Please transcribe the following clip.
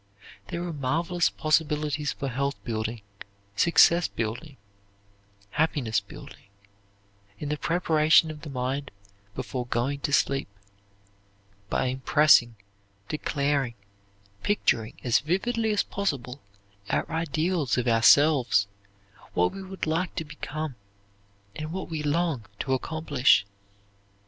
There are marvelous possibilities for health building, success building, happiness building, in the preparation of the mind before going to sleep by impressing, declaring, picturing as vividly as possible our ideals of ourselves, what we would like to become and what we long to accomplish.